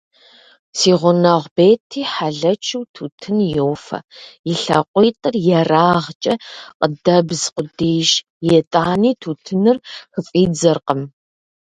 Си гъунэгъу Бетти хьэлэчыу тутун йофэ, и лъакъуитӏыр ерагъкӏэ къыдэбз къудейщ, итӏани тутыныр хыфӏидзэркъым.